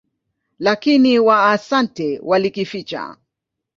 Lakini Waasante walikificha.